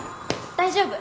大丈夫。